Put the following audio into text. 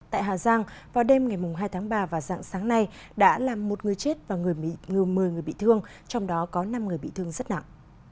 tại hà giang vào đêm ngày hai tháng ba và dạng sáng nay đã làm một người chết một mươi người bị thương trong đó có năm người bị thương rất nặng